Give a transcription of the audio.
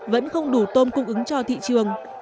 vẫn không đủ tôm cung ứng cho thị trường